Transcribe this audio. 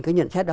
cái nhận xét đó